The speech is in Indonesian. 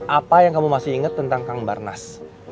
apa yang kamu masih ingat tentang kang barnas